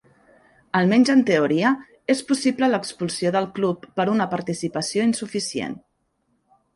Almenys en teoria, és possible l'expulsió del club per una participació insuficient.